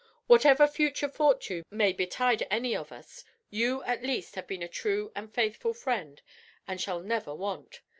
Whatever future fortune may betide any of us, you at least have been a true and faithful friend, and shall never want!